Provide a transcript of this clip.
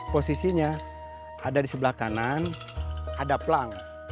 posisinya ada di sebelah kanan ada pelang